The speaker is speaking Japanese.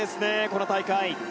この大会。